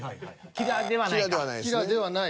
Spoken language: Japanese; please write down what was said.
キラではない。